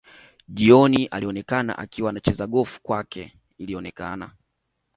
Jioni alionekana akiwa anacheza golf kwake ilionekana